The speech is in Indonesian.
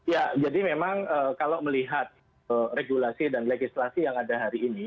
ya jadi memang kalau melihat regulasi dan legislasi yang ada hari ini